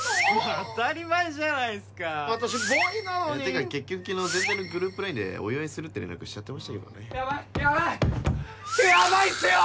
当たり前じゃないですか私ボーイなのにってか結局昨日全体のグループラインでお祝いするって連絡しちゃってましたけどねヤバいヤバいヤバいっすよ！